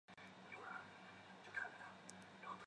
郑在恩是一名韩国女子跆拳道运动员。